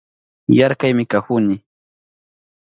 Yarkaymi kahuni